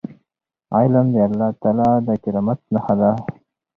علم د الله تعالی د کرامت نښه ده.